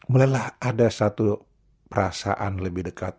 mulailah ada satu perasaan lebih dekat